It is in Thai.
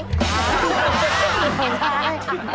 สมชาย